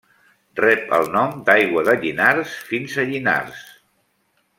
Rep el nom d'Aigua de Llinars fins a Llinars.